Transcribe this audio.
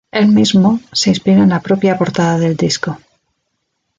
El mismo se inspira en la propia portada del disco.